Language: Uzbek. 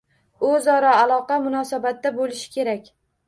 O’zaro aloqa, munosabatda bo’lish kerak.